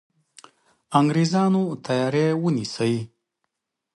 انګرېزانو تیاری ونیسي.